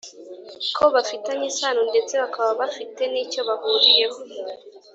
ko bafitanye isano ndetse bakaba bafite nicyo bahuriyeho